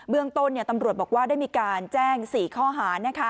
เรื่องต้นตำรวจบอกว่าได้มีการแจ้ง๔ข้อหา